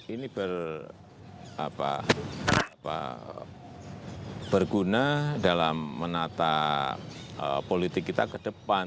ini berguna dalam menata politik kita ke depan